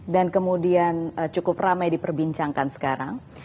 dan kemudian cukup ramai diperbincangkan sekarang